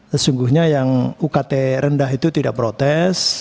sesungguhnya yang ukt rendah itu tidak protes